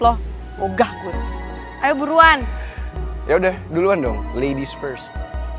hai ugah gue ayo buruan ya udah duluan dong ladies first